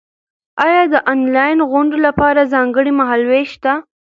ایا د انلاین غونډو لپاره ځانګړی مهال وېش شته؟